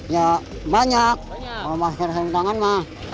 ya banyak kalau masker sering tangan mah